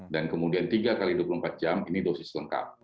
dan kemudian tiga x dua puluh empat jam ini dosis lengkap